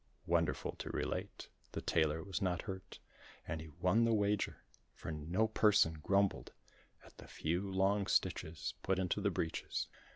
Wonderful to relate, the Tailor was not hurt, and he won the wager, for no person grumbled at the few long stitches put into the breeches.